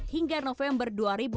hingga november dua ribu sembilan belas